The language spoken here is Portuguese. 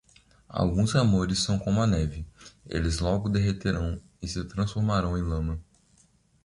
Alguns amores são como a neve: eles logo derreterão e se transformarão em lama.